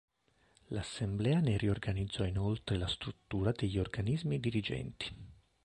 L'assemblea ne riorganizzò inoltre la struttura degli organismi dirigenti.